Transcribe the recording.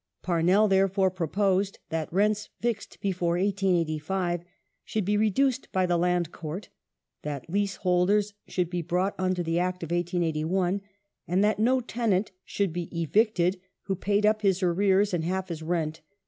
Parnell, therefore, pro posed that rents fixed before 1885 should be reduced by the Land Court, that leaseholders should be brought under the Act of 1881, and that no tenant should be evicted who paid up his arreai s and half Ms rent.